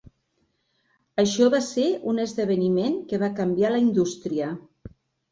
Això va ser un esdeveniment que va canviar la indústria.